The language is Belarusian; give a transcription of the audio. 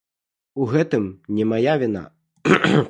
У гэтым не мая віна.